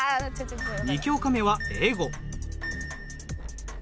２教科目は英語。